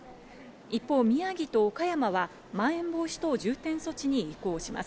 一方、宮城と岡山は、まん延防止等重点措置に移行します。